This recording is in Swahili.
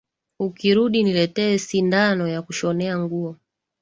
Ukirudi niletee sindano ya kushonea nguo